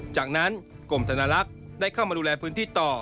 จากนั้นกรมธนลักษณ์ได้เข้ามาดูแลพื้นที่ต่อ